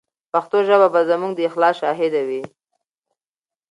پښتو ژبه به زموږ د اخلاص شاهده وي.